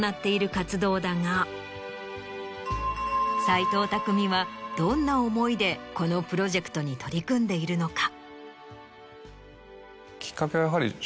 斎藤工はどんな思いでこのプロジェクトに取り組んでいるのか？